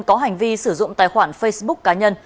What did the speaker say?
có hành vi sử dụng tài khoản facebook cá nhân